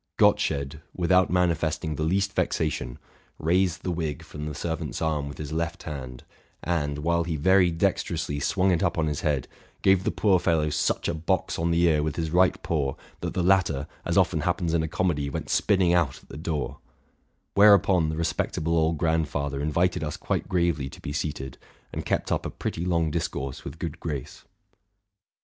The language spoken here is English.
Gottsched, without manifesting the least vexation, raised the wig from the servant's arm with his left hand, and, while he very dexterously swung it up on his head, gave the poor fellow such a box on the ear with his right paw, that the latter, as often happens in a comedy, went spinning out at the door; whereupon the respectable old grandfather invited us quite gravely to be seated, and kept up a pretty long discourse with good grace.